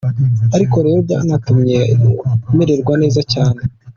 ariko rero byanatumye mererwa neza cyane!".